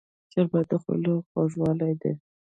شربت د خولې خوږوالی دی